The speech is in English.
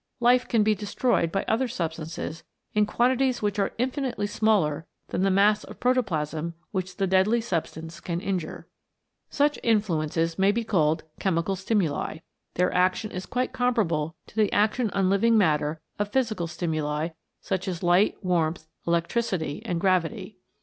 Life can be destroyed by other substances in quantities which are infinitely smaller than the mass of protoplasm which the deadly substance can injure. Such influences 125 CHEMICAL PHENOMENA IN LIFE may be called Chemical Stimuli. Their action is quite comparable to the action on living matter of physical stimuli, such as light, warmth, elec tricity and gravity.